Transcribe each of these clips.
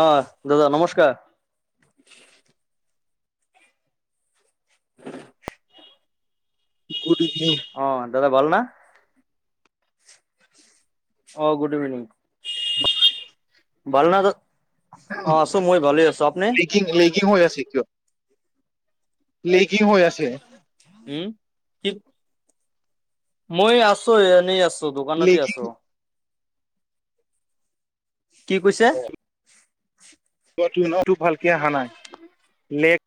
অ, দাদা নমস্কাৰ। [unintelligible] Good evening. অ দাদা ভালনে? অ' গুড ইভিনিং ভাল ন অ' আছো মই ভালে আছো আপনি? লিং লেগিং হৈ আছে কিয় লেগিং হৈ আছে। উম, কি? মই আছো এনেই আছো দোকানতে লেগিং আছো। কি কৈছে? টো ভালকে হানাই লেগ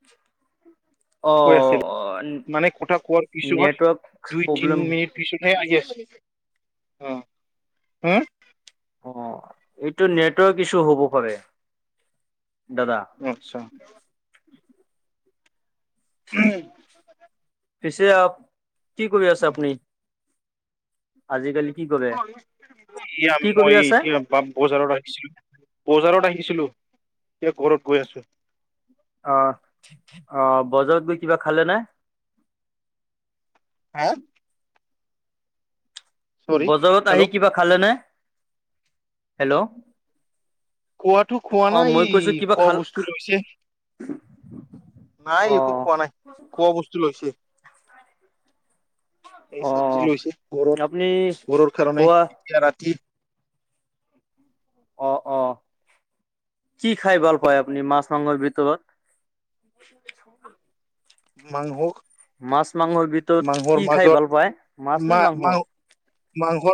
কৈ আছিল অ', মানে কথা কোৱাৰ পিছত নেটৱৰ্ক দুই প্ৰব্লেম তিনি মিনিট থিচনে হ অ' হা? অ' এইটো নেটৱৰ্ক ইছু হ'ব পাৰে দাদা। অ' আচ্ছা। উম। পিছে আপ কি কৰি আছে আপুনি? আজিকালি কি কৰে? [unintelligible] এতিয়া কি কৰি মই আছে? এতিয়া বা বজাৰত আহিছিলো বজাৰত আহিছিলো এতিয়া ঘৰত গৈ আছো। অ', অ' বজাৰত গৈ কিবা খালে নে? হা? চৰি বজাৰত আহি হেল্ল' কিবা খালে নে হেল্ল'? খোৱাটো খোৱা অ', নাই মই এই কৈছো কিবা খোৱা খাল বস্তু লৈছে। নাই একো অ', খোৱা নাই খোৱা বস্তু লৈছে। এই চব্জি অ'। লৈছে ঘৰত আপুনি ঘৰৰ কাৰণে খোৱা এতিয়া ৰাতি অ', অ' কি খাই ভাল পায় আপুনি মাছ মাংসৰ ভিতৰত? [unintelligible] মাংস। মাছ মাংসৰ ভিতৰত মাংসৰ কি খাই মাজত ভাল পায় মাছ নে মাংস? মাংস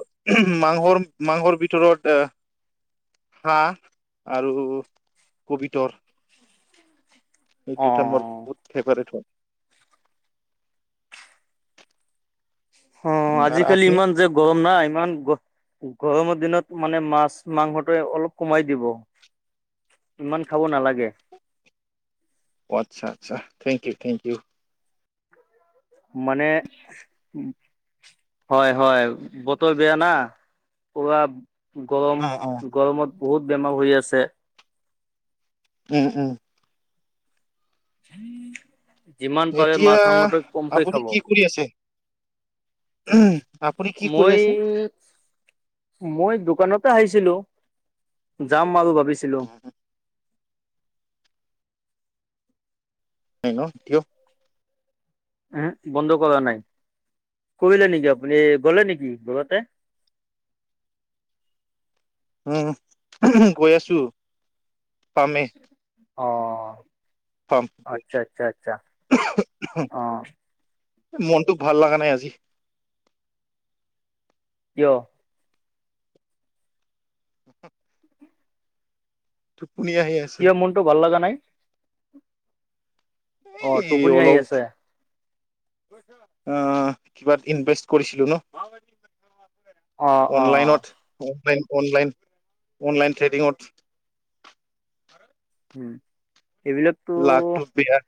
মাংসৰ মাংসৰ ভিতৰত এ হাঁ আৰু কবিতৰ। এই অ দুটা মোৰ বহুত ফেভাৰট হয়। উম, অ' আৰু আজিকালি আপুনি ইমান যে গৰম নাই ইমান গৰমৰ দিনত মানে মাছ মাংসটো মানে অলপ কমাই দিব। ইমান খাব নালাগে। অ' আচ্ছা আচ্ছা থেংক ইউ থেংক ইউ। মানে হয় হয় বতৰ বেয়া না পোৰা গৰম অ অ গৰমত বহুত বেমাৰ হৈ আছে। উম, উম। যিমান পাৰে মাছ এতিয়া মাংসটো কমকৈ আপুনি খাব। কি কৰি আছে আপুনি কি কৰি মই আছে মই দোকানতে আহিছিলো যাম আৰু ভাবিছিলো। নাই ন থিয় উ, বন্ধ কৰা নাই কৰিলে নেকি আপুনি গ'লে নেকি ঘৰতে? উম, গৈ আছো। পামে অ'। আচ্ছা আচ্ছা আচ্ছা অ [unintelligible] মনটোক ভাল লগা নাই আজি। কিয়? টোপনি আহি আছে। কিয় মনটো ভাল লগা নাই? অ এই টোপনি আহি অলপ আছে অ' কিবাত ইনভেষ্ট কৰিছিলো ন। অ অ অনলাইনত অনলাইন অনলাইন অনলাইন ট্ৰেডিঙত। উম, এইবিলাকতো। লাভটো বেয়া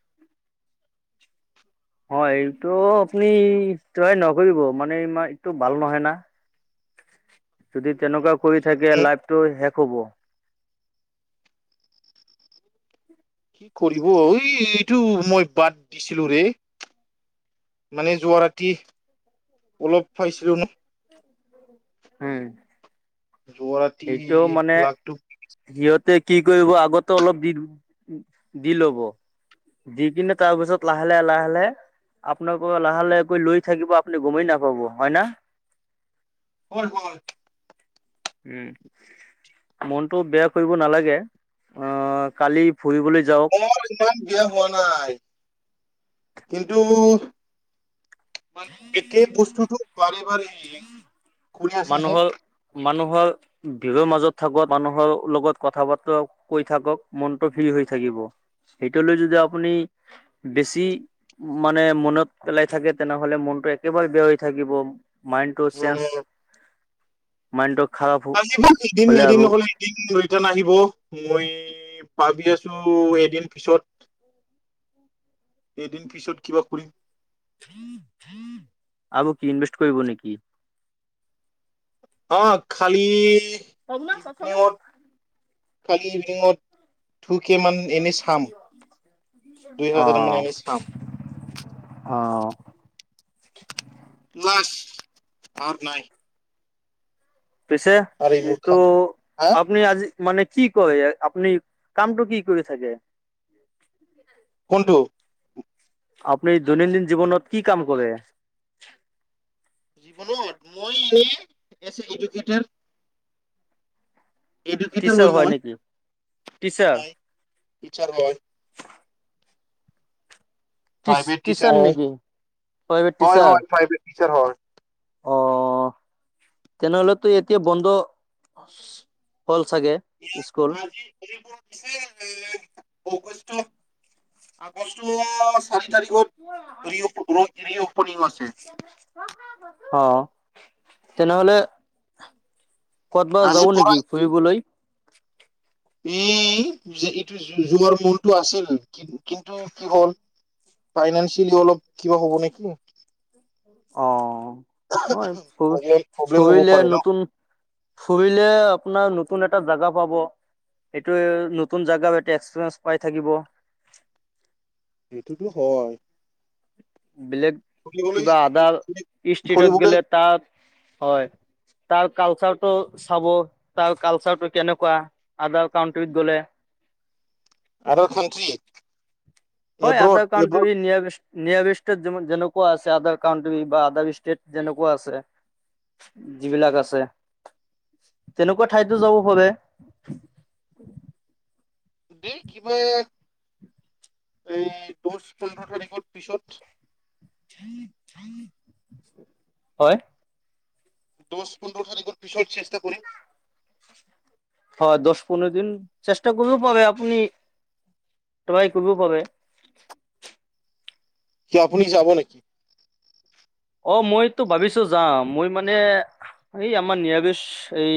হয় এইটো আপুনি ট্ৰাই নকৰিব মানে ইমা এইটো ভাল নহয় না। [unintelligible] যদি তেনেকুৱা কৰি থাকে হুম, লাইফটো শেষ হ'ব। কি কৰিব ঐ এইটো মই বাদ দিছিলোঁ ৰে। মানে যোৱা ৰাতি অলপ পাইছিলোঁ ন'। [unintelligible] [unintelligible] সেইটো মানে, লাখটো সিহঁতে কি কৰিব আগতে অলপ দি দি ল'ব, দি কিনে তাৰপিছত লাহে লাহে লাহে লাহে আপোনালোকৰ লাহে লাহে কৈ লৈ থাকিব আপুনি গমেই নাপাব হয় না। হয় হয়। উম। মনটো বেয়া কৰিব নালাগে, অ' কালি ফুৰিবলৈ যাওঁক। মোৰ ইমান বেয়া হোৱা নাই, কিন্তু একেই বস্তুটো বাৰে বাৰে, ঘুৰি আছে যে। মানুহৰ মানুহৰ ভিৰৰ মাজত থাকক মানুহৰ লগত কথা বাতৰা কৈ থাকক মনটো ফ্ৰী হৈ থাকিব। সেইটোলৈ যদি আপুনি বেছি মানে মনত পেলাই থাকে তেনেহ'লে মনটো একেবাৰে বেয়া হৈ থাকিব, মাইণ্ডটো চেঞ্জ উম মাইণ্ডটো খাৰাপ। আজি মোৰ এদিন হলে এদিন আৰু ন'হলে এদিন ৰিটাৰ্ণ আহিব মই এ, পাবি আছোঁ এদিন পিছত এদিন পিছত কিবা কৰিম। আৰু কি ইনভেষ্ট কৰিব নেকি? অ' খালি ইভিনিঙত, খালি ইভিনিঙত। [unintelligible] কিমান হাজাৰ মান অ', এনেই চাম অ'। লাষ্ট [unintelligible] নাই। পিছে আৰু এইবোৰ এইটো, খাম হা আপনি আজি মানে কি কৰে, আপনি কামটো কি কৰি থাকে? কোনটো? আপুনি দৈনন্দিন জীৱনত কি কাম কৰে? [unintelligible] মই এনে বেচিক ইডোকেটাৰ। এডুকেটাৰ টিচাৰ হয় মই, নেকি? টিচাৰ হয় টিচাৰ হয়। টিচ প্ৰাইভেট টিচাৰ হয়। নেকি? প্ৰাইভেট হয় টিচাৰ হয় প্ৰাইভেট টিচাৰ হয়। অ' তেনেহ'লেটো এতিয়া বন্ধ, হ'ল চাগে? স্কুল। এইবোৰ পিছে নে অগষ্ট আগষ্টৰ চাৰি তাৰিখত ৰি অপ-ৰ ৰি অপিনিং আছে। অ' তেনেহ'লে ক'ত বা আজি যাব পৰা নেকি ফুৰিবলৈ? এ, যে এইটো যোৱাৰ মনটো আছিল কিন কিন্তু কি হ'ল। ফাইনেন্সিয়েলি অলপ কিবা হ'ব নেকি? অ' [unintelligible] ফু প্ৰব্লেম প্ৰব্লেম হ'ব ফুৰিলে পাৰে ন নতুন ফুৰিলে আপোনাৰ নতুন এটা জাগা পাব। এইটো নতুন জেগা এতে এক্সপিৰিয়েঞ্চ পাই থাকিব। সেইটোতো হয়। বেলেগ ফুৰিবলৈ কিবা আদাৰ ষ্টেটত ফুৰিবলৈ গ'লে তাত হয়। তাৰ কালচাৰটো চাব। তাৰ কালচাৰটো কেনেকুৱা আদাৰ কানট্ৰিত গ'লে। Other country. হয় আডাৰ কাৰ্নটি নিয়া নিয়াৰেষ্ট যেনেকুৱা আছে। আডাৰ কাৰ্ণটি বা আডাৰ ষ্টেট যেনেকুৱা আছে। যিবিলাক আছে, তেনেকুৱা ঠাইতো যাব পাৰে। দেই কিবা, এই দহ পোন্ধৰ তাৰিখৰ পিছত। হয়। দহ পোন্ধৰ তাৰিখ পিছত চেষ্টা কৰিম। হয় দহ পোন্ধৰ দিন চেষ্টা কৰিব পাৰে আপুনি ট্ৰাই কৰিব পাৰে। কি আপুনি যাব নেকি? অ, মইতো ভাবিছো যাম, মই মানে এই আমাৰ নিৰামিষ এই।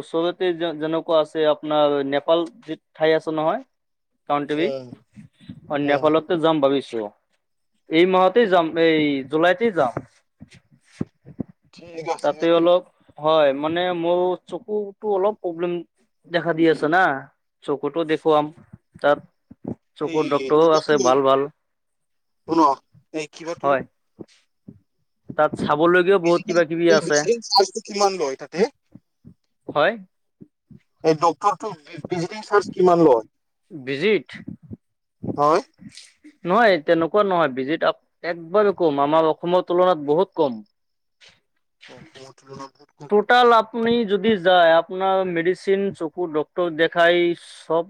ওচৰতে যে যেনেকুৱা আছে আপোনাৰ নেপাল যি ঠাই আছে নহয়। কাউনট্ৰী উম উম নেপালত। যাম ভাবিছো, এই মাহতেই যাম এই। জুলাইতে যাম। ঠিক আছে তাতে অলপ, হয়, মানে মোৰ চকুতো অলপ প্ৰব্লেম। দেখা দি আছে না, চকুতো দেখোম তাত। এই চকুৰ ডক্তৰও আছে কিবাটো ভাল ভাল, শুনক এই কিবাটো হয়। তাত চাবলৈ। [unintelligible] টো কিমান লয় তাতে। হয় এই ডক্টৰটো ভিজিটিং চাৰ্জ কিমান লয়। বিজিট। হয়? নহয়, তেনেকুৱা নহয় ভিজিত একবাৰেই কম আমাৰ অসমৰ তুলনাত বহুত কম। [unintelligible] টাল আপনি যদি যায় আপোনাৰ মেডিচিন চকু ডক্টৰ দেখাই চব।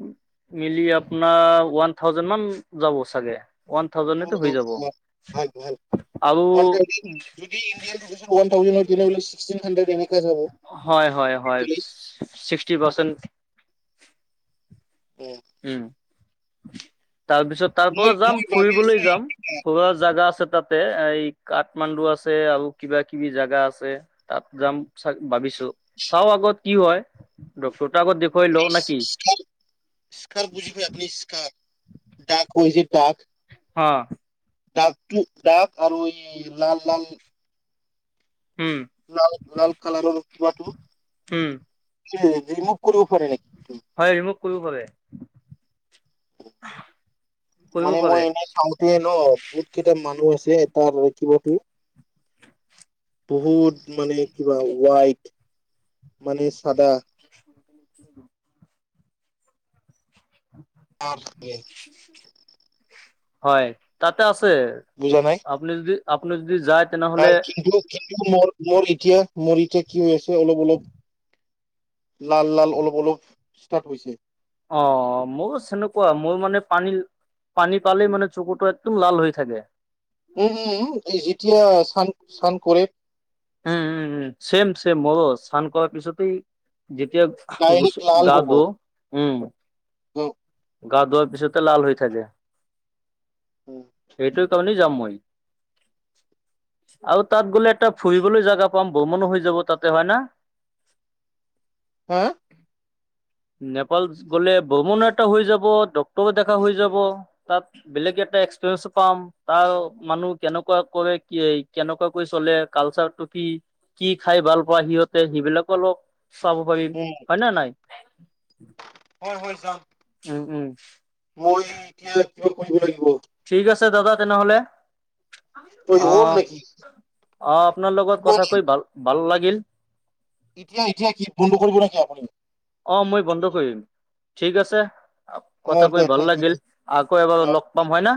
মিলি আপোনাৰ ওৱান থাউজেণ্ড মান যাব চাগে। ওৱান অ, থাউজেণ্ড ত অ, হৈ যাব অ, ভাল আৰু। ইৱ থে্ হ্ৰে এনে [unintelligible] হয় হয় হয়, ছিক্সটি পাৰ্চেণ্ট। উম, উম, তাৰপিছত তাৰ পৰা মই যাম মই ভাবি ফুৰিবলৈ আছো যাম। এই সোৰা জাগা আছে তাতে এই কাঠমাণ্ডু আছে আৰু কিবা কিবি জাগা আছে। তাত যাম চ ভাবিছো চাও আগত কি হয় ডক্টৰ তা আগত দে কৈ ল নেকি? স্কাৰ স্কাৰ বুজি খাই আপনি স্কাৰ ডাক হৈ যে ডাক। অ, দাগতটো দাগ আৰু এই লাল, লাল। উম, লাল লাল কালাৰৰ কিবাটো উম ৰিমুভ কৰিব পাৰে নেকি। হয় ৰিমুভ কৰিব পাৰে। কৰিব মানে মই পাৰে এনে এ, ন বহুত কেইটা মানুহ আছে তাৰ কিবাতো। বহুত মানে কিবা হোৱাইট মানে চাদা। অ তে [unintelligible] হয় তাতে আছে। বুজা নাই। আপনি যদি, আপোনি যদি যায়। ত, তেনেহ'লে কিন্তু কিন্তু মোৰ মোৰ এতিয়া মোৰ এতিয়া কি হৈ আছে অলপ অলপ। লাল লাল অলপ অলপ ষ্টাৰ্ট হৈছে। অ, মোৰ সেনেকুৱা মোৰ মানে পানী। পানী পালেই মানে চকুতটো একদম লাল হৈ থাকে। উম, উম এই যেতিয়া চান-চান পৰে। উম উম উম চেম চেম মোৰো স্নান কৰাৰ পিছতেই যেতিয়া ডাইৰেক্ট গচু গা ধোও উম। উম। গা ধোৱাৰ পিছতে লাল হৈ থাকে। সেইটো কাৰণে যাম মই আৰু তাত গ'লে এটা ফুৰিবলৈ জাগা পাম ভ্ৰমণো হৈ যাব তাতে হয় না? হো? নেপাল গ'লে ভ্ৰমণ এটা হৈ যাব ডক্টৰো দেখা হৈ যাব। তাত বেলেগ এটা এক্সপিৰিয়েঞ্চো পাম। তাৰ মানুহ কেনেকুৱা কৰে কি কেনেকুৱা কৰি চলে কালচাৰটো কি। কি খাই ভাল পোৱা সিহঁতে সেইবিলাকো অলপ চাব পাৰিম। উম হয় নে নাই? [inaudible] হয়, হয় যাম। উম, উম। মই এতিয়া কিবা কৰিব লাগিব। ঠিক আছে দাদা তেনেহ'লে। তই অ', হ'ল নেকি অ', আপোনাৰ লগত কথা কৈ ভাল ভাল লাগিল। এতিয়া এতিয়া কি বন্ধ কৰিব নেকি আপুনি? অ', মই বন্ধ কৰিম ঠিক আছে। অ কথা কৈ দে ভাল থেংক ইউ লাগিল আকৌ এবাৰ লগ পাম হয় না?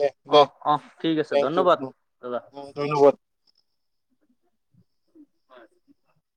দে দে অ' অ'। ঠিক আছে থেংক ইউ ধন্যবাদ দাদা। ধন্যবাদ। হয়।